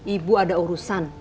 ibu ada urusan